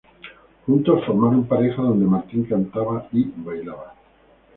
Juntos formaron pareja donde Martín cantaba y bailaba.